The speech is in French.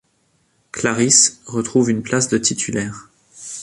Clarisse retrouve une place de titulaire.